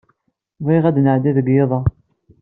Bɣiɣ ad n-ɛeddiɣ deg yiḍ-a.